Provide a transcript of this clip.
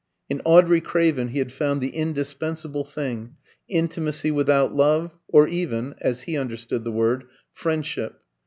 In Audrey Craven he had found the indispensable thing intimacy without love, or even, as he understood the word, friendship.